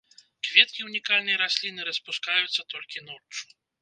Кветкі ўнікальнай расліны распускаюцца толькі ноччу.